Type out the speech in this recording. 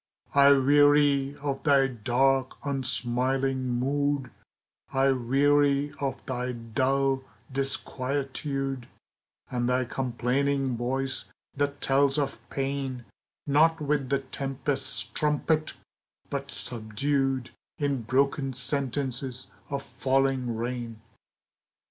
I weary of thy dark, unsmiling mood, I weary of thy dull disquietude, And thy complaining voice that tells of pain, Not with the tempest's trumpet, but subdued In broken sentences of falling rain.